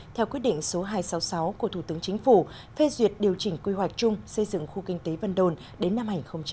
theo quyết định số hai trăm sáu mươi sáu của thủ tướng chính phủ phê duyệt điều chỉnh quy hoạch chung xây dựng khu kinh tế vân đồn đến năm hai nghìn ba mươi